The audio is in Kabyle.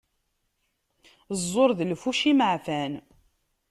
Ẓẓur d lfuci imeεfan.